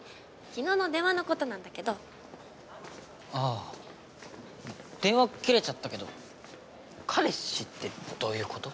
昨日の電話のことなんだけどあぁ電話切れちゃったけど彼氏ってどういうこと？